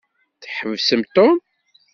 Tḥebsem Tom?